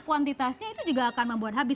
kuantitasnya itu juga akan membuat habis